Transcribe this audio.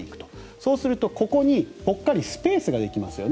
そうするとここにぽっかりとスペースができますよね。